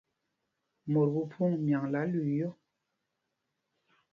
Mot phúphōŋ myaŋla lüii yɔ́.